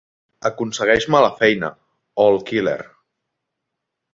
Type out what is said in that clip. Aconsegueix-me la feina, All Killer.